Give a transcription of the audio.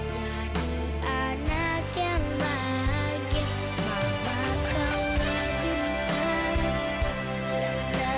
jadi anak yang bahagia